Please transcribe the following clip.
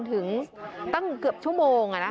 ถึงตั้งเกือบชั่วโมง